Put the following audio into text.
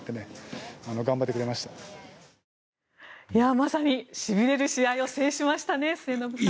まさにしびれる試合を制しましたね。